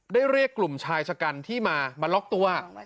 เรียกกลุ่มชายชะกันที่มาล็อกตัว